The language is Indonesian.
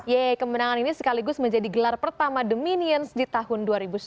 yeay kemenangan ini sekaligus menjadi gelar pertama the minions di tahun dua ribu sembilan belas